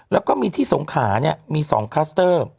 แล้วก็มีที่สงขาเนี่ยมี๒คลัสเตอร์